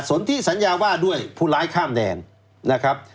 สนที่สัญญาว่าด้วยผู้ร้ายข้ามแดนนะครับ